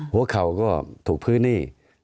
หัวเข่าก็ถูกพื้นที่